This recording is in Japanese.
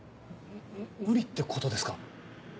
無理ってことですか？